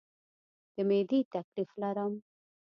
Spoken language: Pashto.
د معدې تکلیف لرم